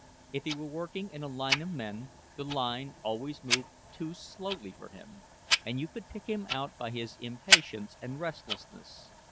If he were working in a line of men, the line always moved too slowly for him, and you could pick him out by his impatience and restlessness.